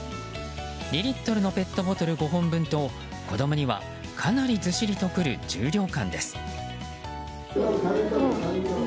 ２リットルのペットボトル５本分と子供には、かなりズシリとくる重量感です。